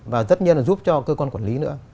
và tất nhiên là giúp cho cơ quan quản lý nữa